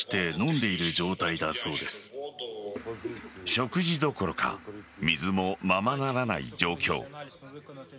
食事どころか水もままならない状況。